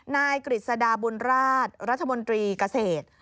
กฤษฎาบุญราชรัฐมนตรีเกษตร